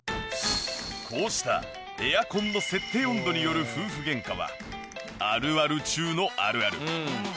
こうしたエアコンの設定温度による夫婦ゲンカはあるある中のあるある。